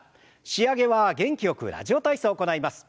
仕上げは元気よく「ラジオ体操」を行います。